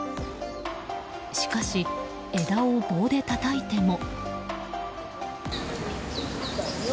しかし、枝を棒でたたいても。